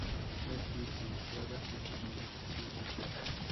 Es licenciada en comunicación social.